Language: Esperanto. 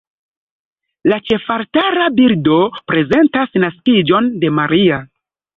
La ĉefaltara bildo prezentas Naskiĝon de Maria.